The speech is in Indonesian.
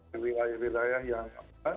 di wilayah wilayah yang